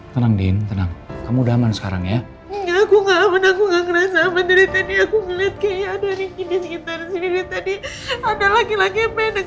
tenang tenang kamu damai sekarang ya aku ngeliat kayaknya ada di sekitar sini tadi ada laki laki